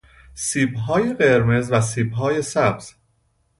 سیب های قرمز و سیب های سبز